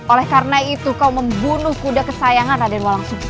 oleh karena itu kau membunuh kuda kesayangan raden malangsung